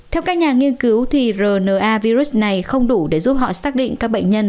theo các nhà nghiên cứu rna virus này không đủ để giúp họ xác định các bệnh nhân